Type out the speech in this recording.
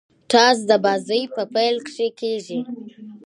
ټاس د بازۍ په پیل کښي کیږي.